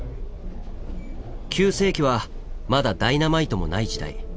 ９世紀はまだダイナマイトもない時代。